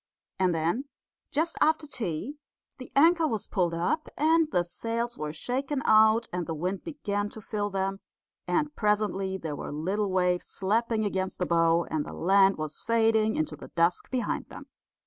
And then, just after tea, the anchor was pulled up, and the sails were shaken out, and the wind began to fill them; and presently there were little waves slapping against the bow, and the land was fading into the dusk behind them.